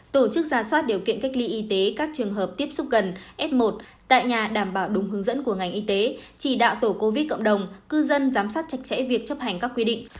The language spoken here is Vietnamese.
tổ chức ra soát điều kiện cách ly y tế các trường hợp tiếp xúc gần f một tại nhà đảm bảo đúng hướng dẫn của ngành y tế chỉ đạo tổ covid cộng đồng cư dân giám sát chặt chẽ việc chấp hành các quy định